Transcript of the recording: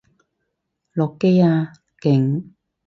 落機啊！勁！